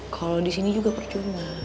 kalo disini juga percuma